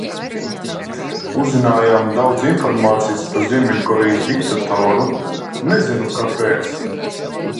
Uzzinājām daudz informācijas par Ziemeļkorejas diktatoru, nezinu, kāpēc.